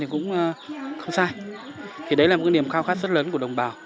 hát then thì cũng không sai thì đấy là một niềm khao khát rất lớn của đồng bào